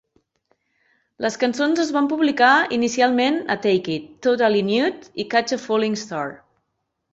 Les cançons es van publicar inicialment a Take It, Totally Nude i Catch a Falling Star.